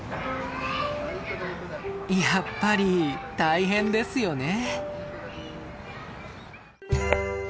やっぱり大変ですよね。